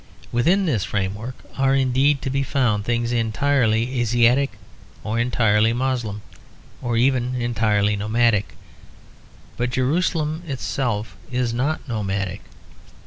Within this frame work are indeed to be found things entirely Asiatic, or entirely Moslem, or even entirely nomadic. But Jerusalem itself is not nomadic.